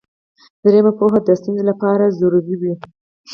دریمه پوهه د ستونزې لپاره ضروري وي.